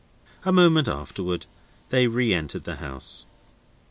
A moment afterwards they re entered the house.